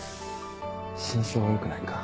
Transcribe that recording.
心証が良くないか。